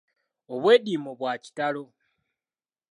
Obwediimo bwa kitalo.